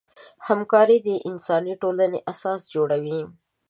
همکاري د انساني ټولنې اساس جوړوي.